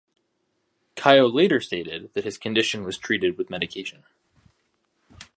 Kyo later stated that his condition was treated with medication.